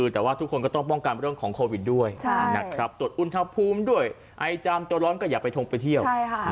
แต่ว่าทุกคนก็ต้องป้องกันลงของโควิดด้วยตรวจอุทธมณ์ด้วยไอจามตัวร้อนก็อย่าไปทงไปเที่ยว